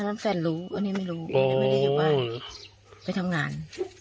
อันนั้นแฟนรู้อันนี้ไม่รู้อันนี้ไม่ได้อยู่บ้านไปทำงาน